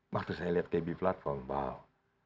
waktu saya lihat kb platform bank